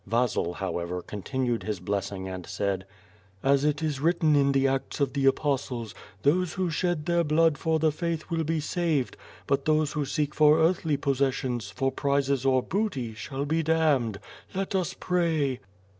Vasil, however, continued his blessing and said: "As it is written in the Acts of the Apostles, *those who shed their blood for the faith will be saved, but those who seek for earthly possesssions, for prizes or booty, shall be damned.' Let us pray!''